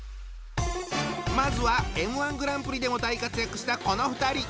まずはＭ−１グランプリでも大活躍したこの２人。